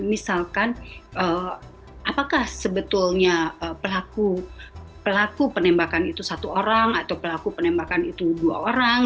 misalkan apakah sebetulnya pelaku penembakan itu satu orang atau pelaku penembakan itu dua orang